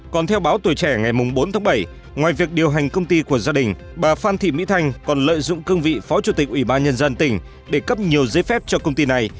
còn theo báo tuổi trẻ ngày bốn tháng bảy ngoài việc điều hành công ty của gia đình bà phan thị mỹ thanh còn lợi dụng cương vị phó chủ tịch ủy ban nhân dân tỉnh để cấp nhiều giấy phép cho công ty này